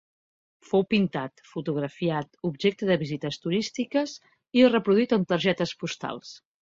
Fou pintat, fotografiat, objecte de visites turístiques i reproduït en targetes postals.